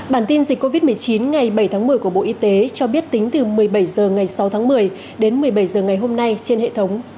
bản tin dịch covid một mươi chín ngày bảy tháng một mươi của bộ y tế cho biết tính từ một mươi bảy h ngày sáu tháng một mươi đến một mươi bảy h ngày hôm nay trên hệ thống